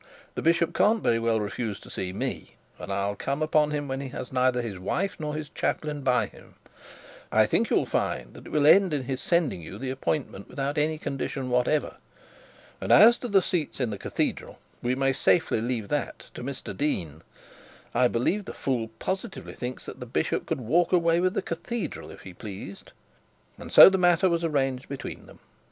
The bishop can't very well refuse to see me, and I'll come upon him when he has neither his wife nor his chaplain by him. I think you'll find that it will end in his sending you the appointment without any condition whatever. And as to the seats in the cathedral, we may safely leave that to Mr Dean. I believe the fool positively thinks that the bishop could walk away with the cathedral, if he pleased.' And so the matter was arranged between them.